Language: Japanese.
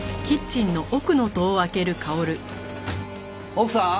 奥さん。